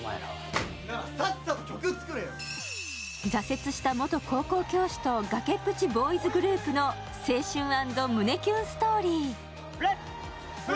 挫折した元高校教師と崖っぷちボーイズグループの青春＆胸キュンストーリー。